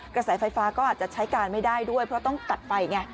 กระแสไฟฟ้าก็อาจจะใช้การไม่ได้ด้วยเพราะต้องตัดไฟไง